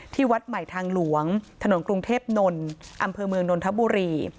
วัดใหม่ทางหลวงถนนกรุงเทพนนท์อำเภอเมืองนนทบุรี